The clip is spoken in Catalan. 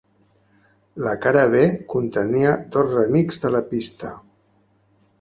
La cara b, contenia dos remix de la pista.